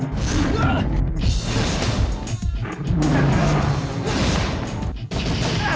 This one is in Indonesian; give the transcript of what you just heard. aku harus menolongnya